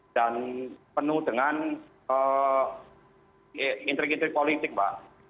dan penuh dengan intrik intrik politik mbak